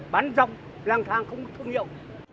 bán dòng lang thang không có thương hiệu